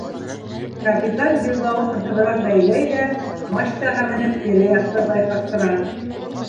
Капитан билбауын ҡыҫыбыраҡ бәйләй ҙә, мачтаға менеп, тирә-яҡты байҡаштыра.